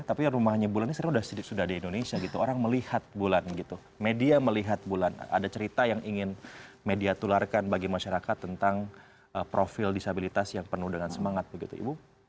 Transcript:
tapi rumahnya bulan ini sebenarnya sudah sedikit sudah di indonesia gitu orang melihat bulan gitu media melihat bulan ada cerita yang ingin media tularkan bagi masyarakat tentang profil disabilitas yang penuh dengan semangat begitu ibu